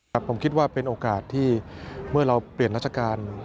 แต่ผมคิดว่าเป็นโอกาสที่เมื่อเราเปลี่ยนราชการ